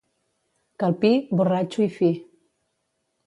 Calpí, borratxo i fi.